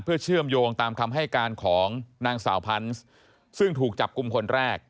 เพื่อเชื่อมโยงตามคำให้การของนางสาวพันธุ์ซึ่งถูกจับกลุ่มคนแรก